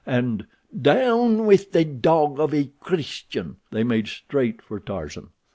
and "Down with the dog of a Christian!" they made straight for Tarzan.